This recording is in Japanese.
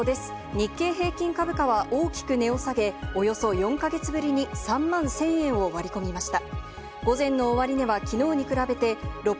日経平均株価は大きく値を下げ、およそ４か月ぶりに３万１０００円を割り込みました。